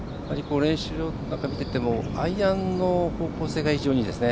練習を見ていてもアイアンの構成が非常にいいですね。